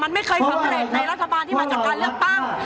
มันไม่เคยสำเร็จในรัฐบาลที่มาจากการเลือกตั้ง